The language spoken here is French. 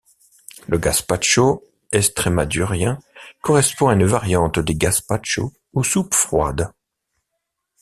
Le gaspacho estrémadurien correspond à une variante des gaspachos ou soupes froides.